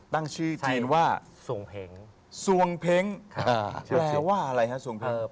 ตั้งชื่อจริงว่าสวงเพ้งสวงเพ้งแปลว่าอะไรครับสวงเพ้ง